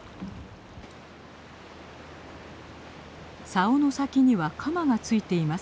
さおの先には鎌が付いています。